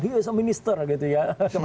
he is a minister gitu ya